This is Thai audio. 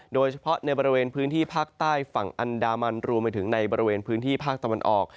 โดยเฉพาะในบริเวณพื้นที่ภาคใต้ฝั่งอันดามันรวมไปถึงในบริเวณพื้นที่ภาคตะวันออก